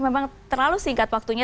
memang terlalu singkat waktunya